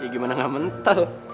gimana gak mental